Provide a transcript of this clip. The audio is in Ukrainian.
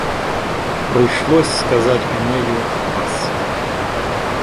Прийшлось сказать Енею: пас.